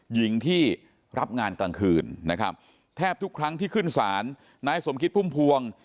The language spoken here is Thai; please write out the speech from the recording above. หญิงที่รับงานกลางคืนนะครับแทบทุกครั้งที่ขึ้นศาลนายสมคิดพุ่มพวง